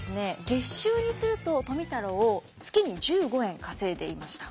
月収にすると富太郎月に１５円稼いでいました。